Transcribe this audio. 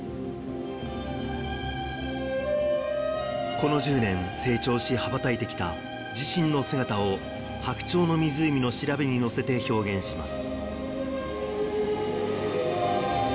この１０年、成長し、羽ばたいてきた自身の姿を、白鳥の湖の調べに乗せて表現します。